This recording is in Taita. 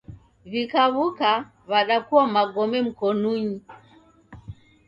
W'ikaw'uka w'adakua magome mkonunyi.